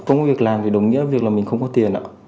không có việc làm thì đồng nghĩa việc là mình không có tiền ạ